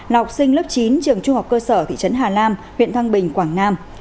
nọc sinh lớp chín trường trung học cơ sở thị trấn hà nam huyện thăng bình quảng nam